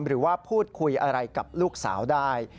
หรือว่าพูดคุยอะไรกับลูกสาวได้